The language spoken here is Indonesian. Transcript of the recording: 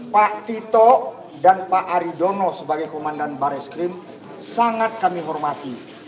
pak tito dan pak aridono sebagai komandan barreskrim sangat kami hormati